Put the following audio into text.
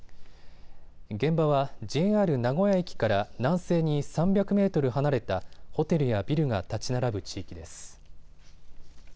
現場はＪＲ名古屋駅から南西に３００メートル離れたホテルやビルが建ち並ぶ地域です。